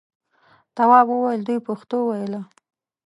تواب وویل دوی پښتو ویله.